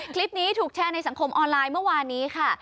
คลิปนี้ถูกแชร์ในสังคมออนไลน์เมื่อวานนี้ค่ะ